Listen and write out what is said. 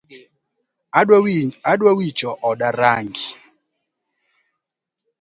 Adwa wicho oda rangi .